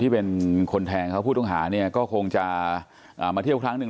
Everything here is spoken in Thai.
เป็นคนแทงเขาผู้ต้องหาเนี่ยก็คงจะมาเที่ยวครั้งหนึ่ง